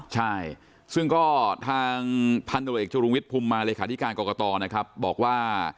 ใช่ซึ่งก็ทางพันธุระเอกชุรุงวิทธิ์พุมมาเลยค่ะที่การกรกตนะครับบอกว่า